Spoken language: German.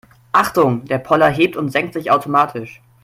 Achtung, der Poller hebt und senkt sich automatisch.